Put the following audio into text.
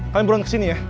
kalian buruan kesini ya